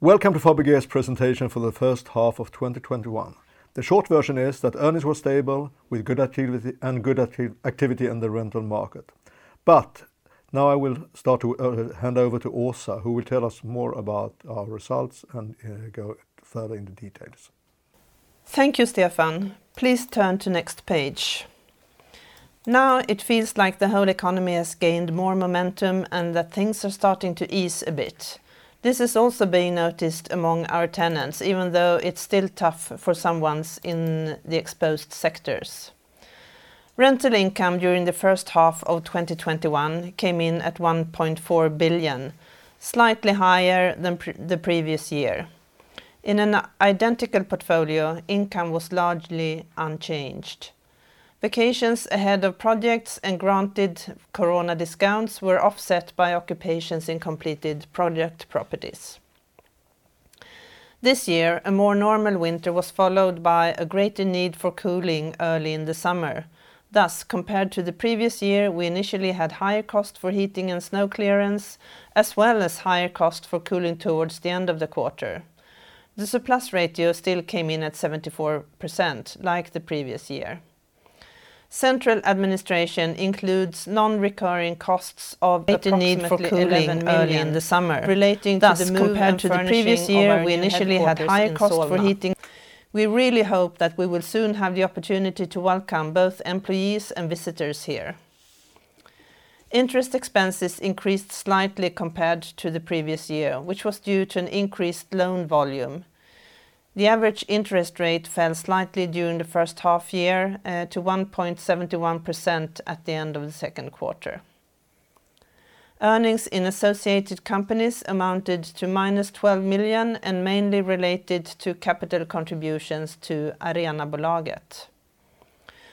Welcome to Fabege's presentation for the first half of 2021. The short version is that earnings were stable with good activity in the rental market. Now I will start to hand over to Åsa, who will tell us more about our results and go further into details. Thank you, Stefan. Please turn to next page. It feels like the whole economy has gained more momentum and that things are starting to ease a bit. This is also being noticed among our tenants, even though it's still tough for some ones in the exposed sectors. Rental income during the first half of 2021 came in at 1.4 billion, slightly higher than the previous year. In an identical portfolio, income was largely unchanged. Vacancies ahead of projects and granted corona discounts were offset by occupations in completed project properties. This year, a more normal winter was followed by a greater need for cooling early in the summer. Compared to the previous year, we initially had higher cost for heating and snow clearance, as well as higher cost for cooling towards the end of the quarter. The surplus ratio still came in at 74%, like the previous year. Central administration includes non-recurring costs of approximately SEK 11 million relating to the move and furnishing of our new headquarters in Solna. We really hope that we will soon have the opportunity to welcome both employees and visitors here. Interest expenses increased slightly compared to the previous year, which was due to an increased loan volume. The average interest rate fell slightly during the first half year to 1.71% at the end of the second quarter. Earnings in associated companies amounted to -12 million and mainly related to capital contributions to Arenabolaget.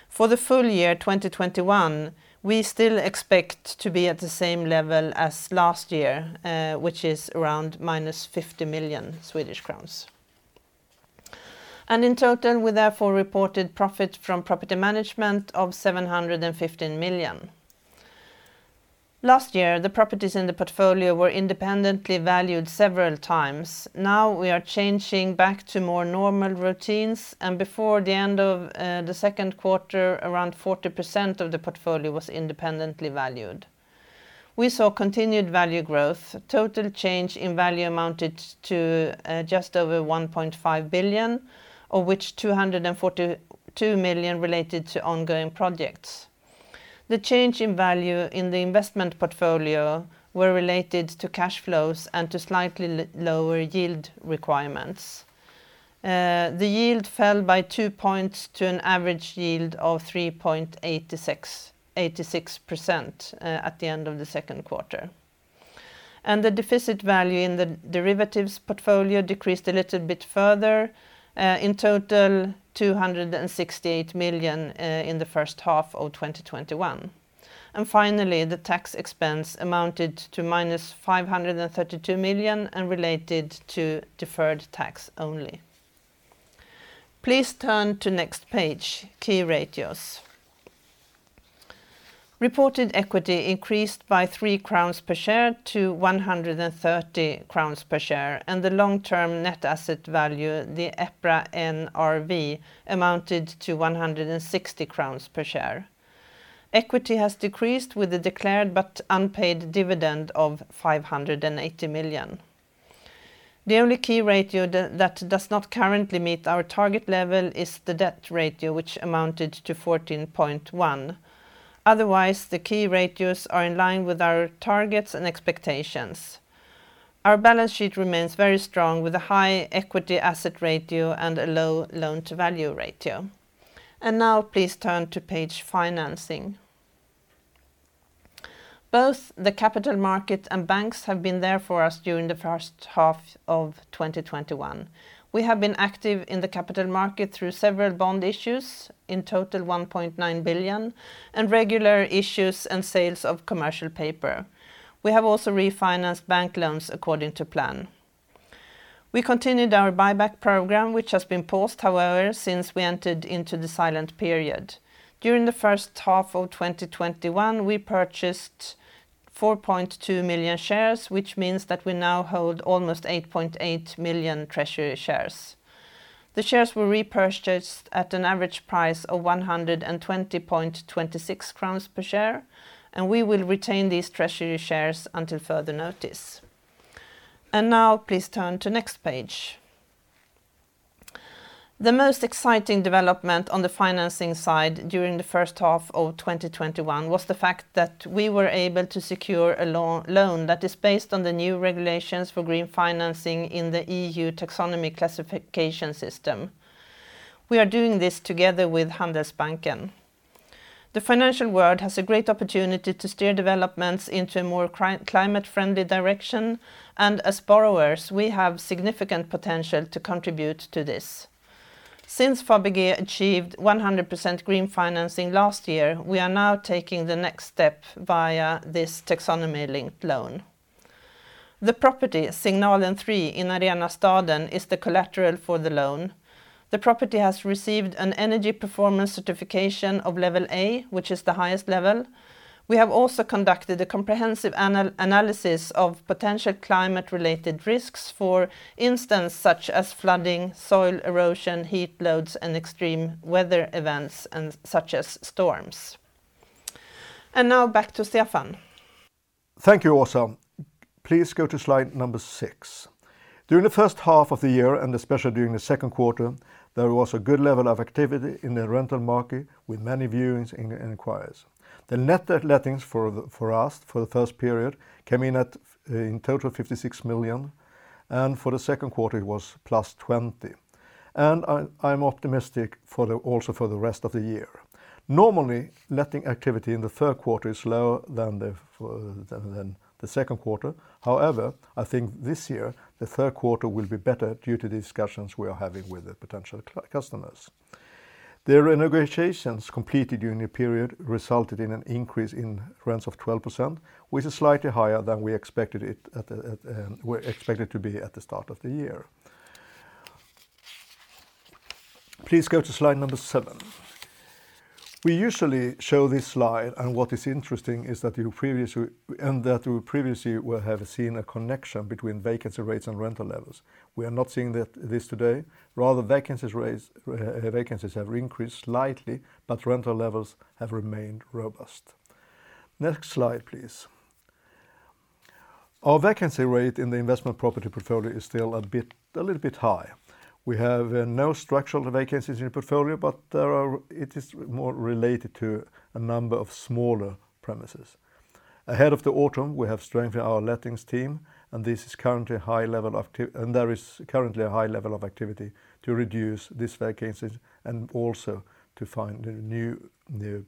For the full year 2021, we still expect to be at the same level as last year, which is around -50 million Swedish crowns. In total, we therefore reported profit from property management of 715 million. Last year, the properties in the portfolio were independently valued several times. Now we are changing back to more normal routines. Before the end of the second quarter, around 40% of the portfolio was independently valued. We saw continued value growth. Total change in value amounted to just over 1.5 billion, of which 242 million related to ongoing projects. The change in value in the investment portfolio were related to cash flows and to slightly lower yield requirements. The yield fell by 2 points to an average yield of 3.86% at the end of the second quarter. The deficit value in the derivatives portfolio decreased a little bit further, in total 268 million in the first half of 2021. Finally, the tax expense amounted to -532 million and related to deferred tax only. Please turn to next page, key ratios. Reported equity increased by 3 crowns per share to 130 crowns per share, and the long-term net asset value, the EPRA NRV, amounted to 160 crowns per share. Equity has decreased with a declared but unpaid dividend of 580 million. The only key ratio that does not currently meet our target level is the debt ratio, which amounted to 14.1%. Otherwise, the key ratios are in line with our targets and expectations. Our balance sheet remains very strong with a high equity asset ratio and a low loan-to-value ratio. Now please turn to page financing. Both the capital market and banks have been there for us during the first half of 2021. We have been active in the capital market through several bond issues, in total 1.9 billion, and regular issues and sales of commercial paper. We have also refinanced bank loans according to plan. We continued our buyback program, which has been paused, however, since we entered into the silent period. During the first half of 2021, we purchased 4.2 million shares, which means that we now hold almost 8.8 million treasury shares. The shares were repurchased at an average price of 120.26 crowns per share. We will retain these treasury shares until further notice. Now please turn to next page. The most exciting development on the financing side during the first half of 2021 was the fact that we were able to secure a loan that is based on the new regulations for green financing in the EU taxonomy classification system. We are doing this together with Handelsbanken. The financial world has a great opportunity to steer developments into a more climate-friendly direction, and as borrowers, we have significant potential to contribute to this. Since Fabege achieved 100% green financing last year, we are now taking the next step via this Taxonomy-linked loan. The property Signalen 3 in Arenastaden is the collateral for the loan. The property has received an energy performance certification of level A, which is the highest level. We have also conducted a comprehensive analysis of potential climate-related risks. For instance, such as flooding, soil erosion, heat loads, and extreme weather events such as storms. Now back to Stefan. Thank you, Åsa. Please go to slide number six. During the first half of the year, and especially during the second quarter, there was a good level of activity in the rental market with many viewings and inquiries. The net lettings for us for the first period came in at in total 56 million, and for the second quarter was +20 million. I'm optimistic also for the rest of the year. Normally, letting activity in the third quarter is lower than the second quarter. However, I think this year the third quarter will be better due to discussions we are having with the potential customers. The renegotiations completed during the period resulted in an increase in rents of 12%, which is slightly higher than we expected it to be at the start of the year. Please go to slide number seven. We usually show this slide, what is interesting is that we previously would have seen a connection between vacancy rates and rental levels. We are not seeing this today. Rather, vacancies have increased slightly, rental levels have remained robust. Next slide, please. Our vacancy rate in the investment property portfolio is still a little bit high. We have no structural vacancies in portfolio, it is more related to a number of smaller premises. Ahead of the autumn, we have strengthened our lettings team, there is currently a high level of activity to reduce this vacancy and also to find new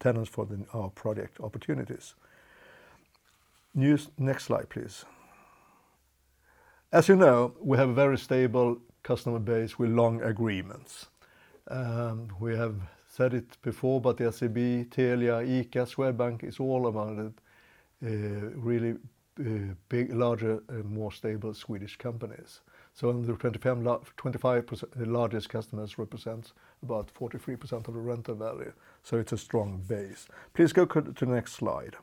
tenants for our project opportunities. Next slide, please. As you know, we have a very stable customer base with long agreements. We have said it before, SEB, Telia, Ericsson, Swedbank is all about it, really big, larger, and more stable Swedish companies. The largest customers represent about 43% of the rental value. It's a strong base. Please go to the next slide.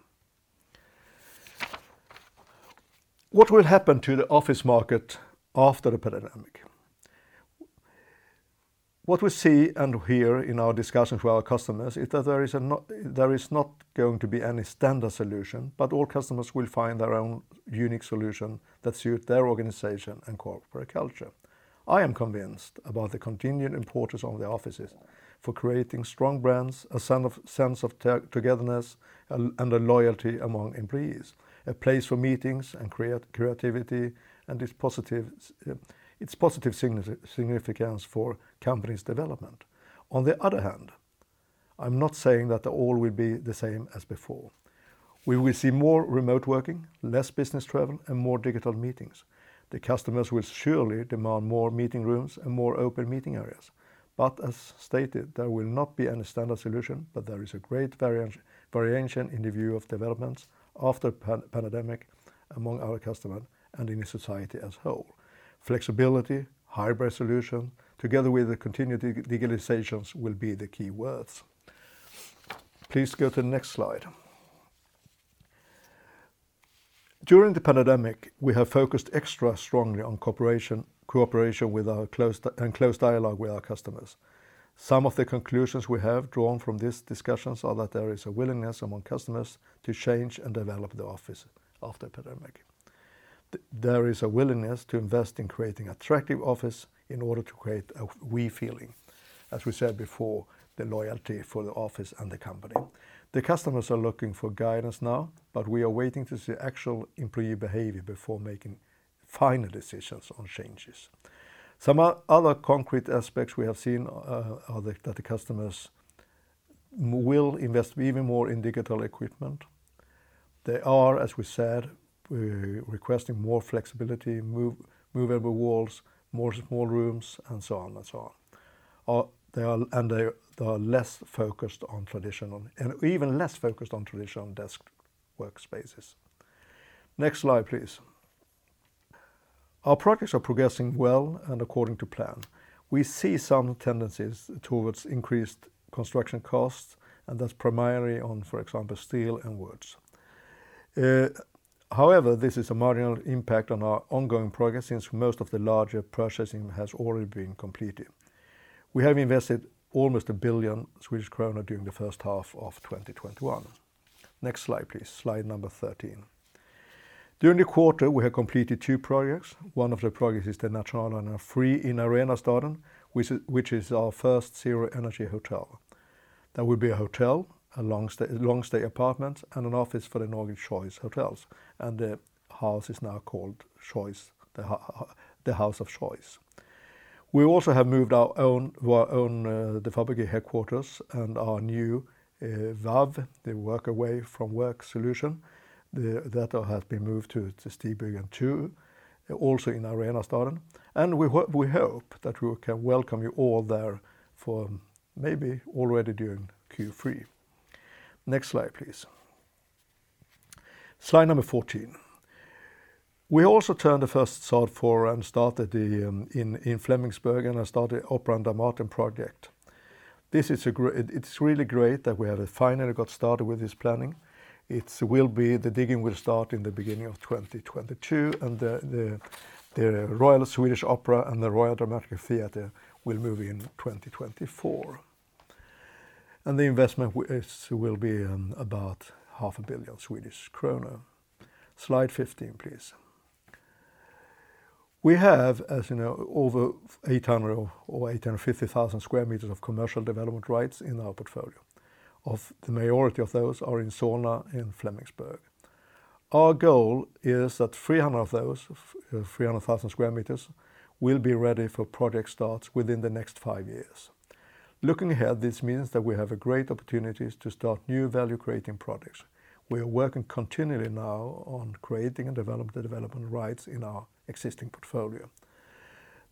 What will happen to the office market after the pandemic? What we see and hear in our discussions with our customers is that there is not going to be any standard solution, but all customers will find their own unique solution that suits their organization and corporate culture. I am convinced about the continued importance of the offices for creating strong brands, a sense of togetherness and a loyalty among employees, a place for meetings and creativity and its positive significance for companies' development. On the other hand, I'm not saying that all will be the same as before. We will see more remote working, less business travel, and more digital meetings. The customers will surely demand more meeting rooms and more open meeting areas. As stated, there will not be any standard solution, but there is a great variation in the view of developments after pandemic among our customers and in society as whole. Flexibility, hybrid solution, together with the continued digitalization will be the key words. Please go to the next slide. During the pandemic, we have focused extra strongly on cooperation and close dialogue with our customers. Some of the conclusions we have drawn from these discussions are that there is a willingness among customers to change and develop their office after pandemic. There is a willingness to invest in creating attractive office in order to create a we-feeling. As we said before, the loyalty for the office and the company. The customers are looking for guidance now, but we are waiting to see actual employee behavior before making final decisions on changes. Some other concrete aspects we have seen are that the customers will invest even more in digital equipment. They are, as we said, requesting more flexibility, movable walls, more small rooms, and so on. They are even less focused on traditional desk workspaces. Next slide, please. Our projects are progressing well and according to plan. We see some tendencies towards increased construction costs, and that's primarily on, for example, steel and woods. However, this is a marginal impact on our ongoing progress since most of the larger purchasing has already been completed. We have invested almost 1 billion Swedish kronor during the first half of 2021. Next slide, please. Slide number 13. During the quarter, we have completed two projects. One of the projects is the Nationalarenan 3 in Arenastaden, which is our first zero-energy hotel. There will be a hotel, long-stay apartments, and an office for the Nordic Choice Hotels, and the house is now called the House of Choice. We also have moved our own Fabege headquarters and our new WAW, the work away from work solution, that has been moved to Stigbygeln 2, also in Arenastaden. We hope that we can welcome you all there for maybe already during Q3. Next slide, please. Slide 14. We also turned the first sod for and started in Flemingsberg and started the Operan och Dramaten project. It's really great that we finally got started with this planning. The digging will start in the beginning of 2022, and the Royal Swedish Opera and the Royal Dramatic Theatre will move in 2024. The investment will be about half a billion Swedish krona. Slide 15, please. We have, as you know, over 850,000 square meters of commercial development rights in our portfolio. The majority of those are in Solna and Flemingsberg. Our goal is that 300 of those, 300,000 square meters, will be ready for project starts within the next five years. Looking ahead, this means that we have great opportunities to start new value-creating projects. We are working continually now on creating and developing the development rights in our existing portfolio.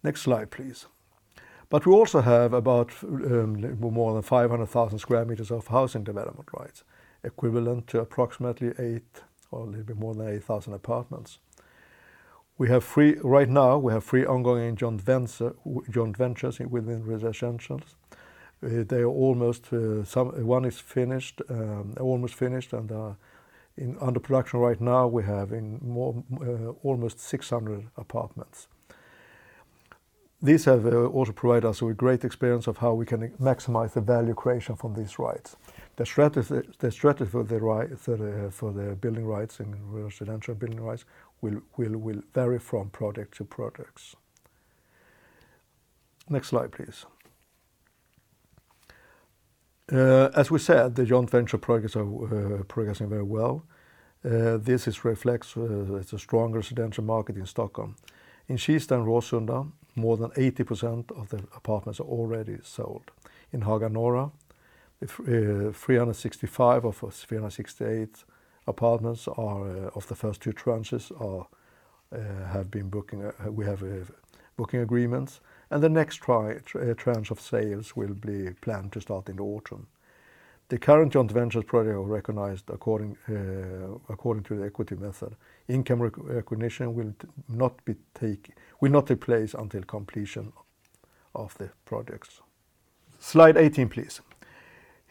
Next slide, please. We also have about a little more than 500,000 sq m of housing development rights, equivalent to approximately eight or a little more than 8,000 apartments. Right now, we have three ongoing joint ventures within residential. One is almost finished, and under production right now, we're having almost 600 apartments. These have also provided us with great experience of how we can maximize the value creation from these rights. The strategy for the building rights and residential building rights will vary from project to project. Next slide, please. The joint venture projects are progressing very well. This reflects the stronger residential market in Stockholm. In Kista and Råsunda, more than 80% of the apartments are already sold. In Haga Norra, 365 of 368 apartments of the first two tranches, we have booking agreements, and the next tranche of sales will be planned to start in the autumn. The current joint ventures projects are recognized according to the equity method. Income recognition will not take place until completion of the projects. Slide 18, please.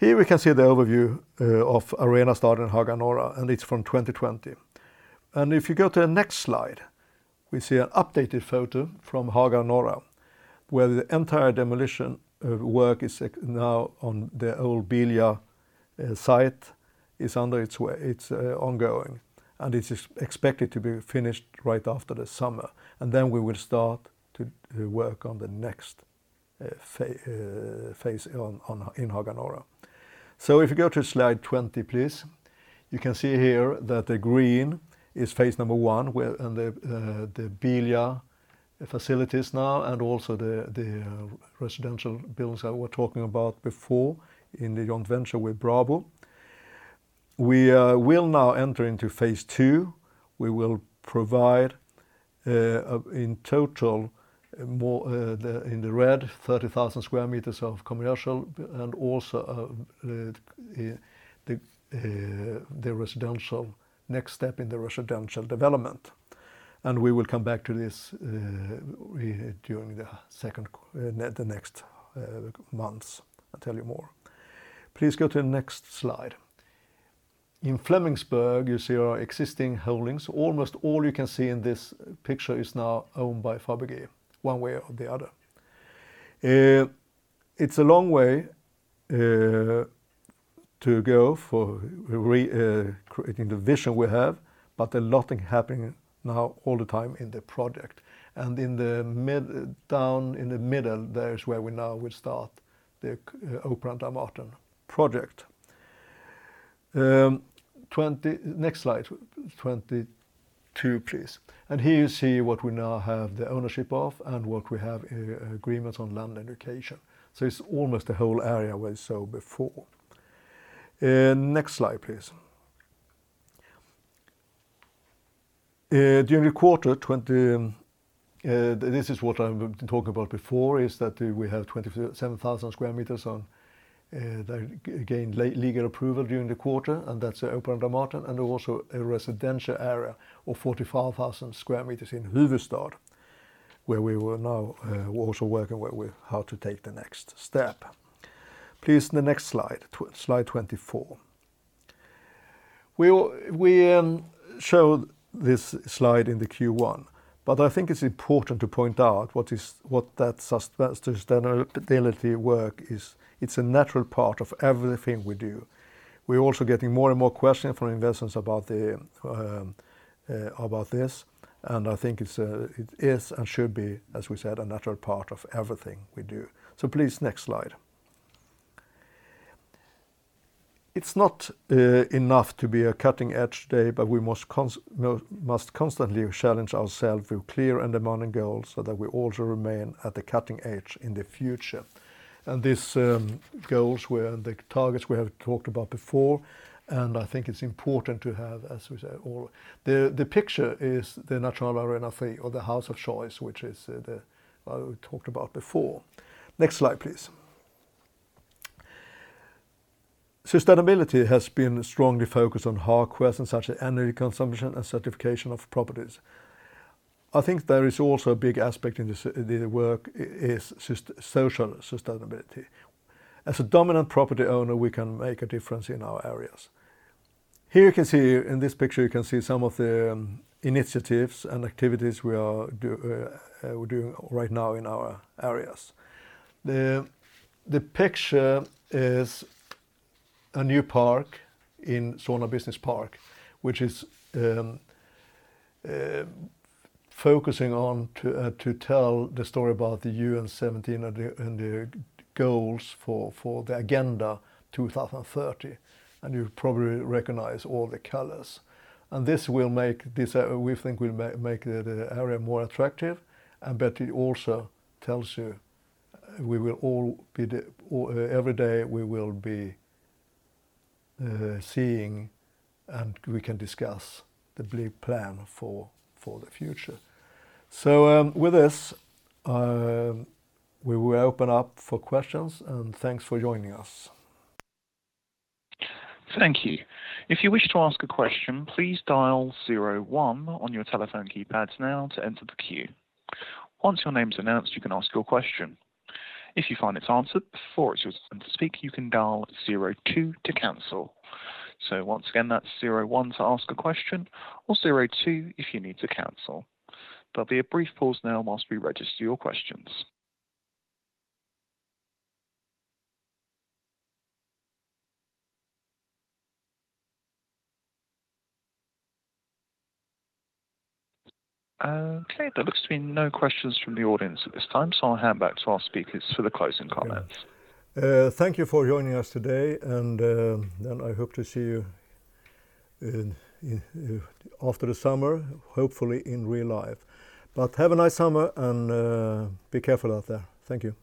We can see the overview of Arenastaden Haga Norra, and it's from 2020. If you go to the next slide, we see an updated photo from Haga Norra, where the entire demolition work on the old Bilia site is ongoing, and it is expected to be finished right after the summer. We will start to work on the next phase in Haga Norra. If you go to slide 20, please. You can see here that the green is phase I, and the Bilia facilities now and also the residential buildings I was talking about before in the joint venture with Bonava. We will now enter into phase II. We will provide in total, in the red, 30,000 sq m of commercial and also the next step in the residential development. We will come back to this during the next months and tell you more. Please go to the next slide. In Flemingsberg, you see our existing holdings. Almost all you can see in this picture is now owned by Fabege one way or the other. It's a long way to go for creating the vision we have, a lot is happening now all the time in the project. Down in the middle there is where we now will start the Operan på Marken project. Next slide, 22 please. Here you see what we now have the ownership of and what we have agreements on land indication. It's almost the whole area we saw before. Next slide, please. During the quarter, this is what I've been talking about before, is that we had 27,000 sq m gained legal approval during the quarter, and that's Operan på Marken, and also a residential area of 45,000 sq m in Huvudsta, where we will now also working with how to take the next step. Please, the next slide 24. We showed this slide in Q1. I think it's important to point out what that sustainability work is. It's a natural part of everything we do. We're also getting more and more questions from investors about this. I think it is and should be, as we said, a natural part of everything we do. Please, next slide. It's not enough to be cutting edge today. We must constantly challenge ourselves with clear and demanding goals so that we also remain at the cutting edge in the future. These goals were the targets we have talked about before. I think it's important to have, as we said. The picture is the natural Arenastaden or the House of Choice, which I talked about before. Next slide, please. Sustainability has been strongly focused on hard questions such as energy consumption and certification of properties. I think there is also a big aspect in this work is social sustainability. As a dominant property owner, we can make a difference in our areas. Here you can see, in this picture, you can see some of the initiatives and activities we're doing right now in our areas. The picture is a new park in Solna Business Park, which is focusing on to tell the story about the UN 17 and the goals for the Agenda 2030. You probably recognize all the colors. This we think will make the area more attractive, but it also tells you every day we will be seeing and we can discuss the big plan for the future. With this, we will open up for questions and thanks for joining us. Thank you. If you wish to ask a question, please dial zero one on your telephone keypads now to enter the queue. Once your name's announced, you can ask your question. If you find it's answered before it's your turn to speak, you can dial zero two to cancel. Once again, that's zero one to ask a question or zero two if you need to cancel. There'll be a brief pause now while we register your questions. There looks to be no questions from the audience at this time, I'll hand back to our speakers for the closing comments. Thank you for joining us today, and I hope to see you after the summer, hopefully in real life. Have a nice summer and be careful out there. Thank you.